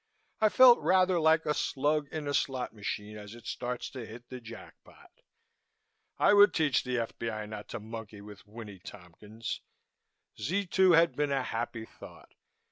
I felt rather like a slug in a slot machine as it starts to hit the jack pot. I would teach the F.B.I. not to monkey with Winnie Tompkins. Z 2 had been a happy thought.